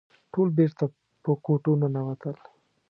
ټول بېرته په کوټو ننوتل.